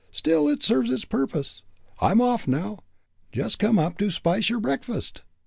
Still, it serves its purpose. I'm off now just come up to spice your breakfast.